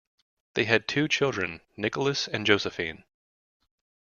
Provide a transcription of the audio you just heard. They have two children, Nicholas and Josephine.